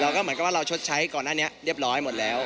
ก็เหมือนกับว่าเราชดใช้ก่อนหน้านี้เรียบร้อยหมดแล้ว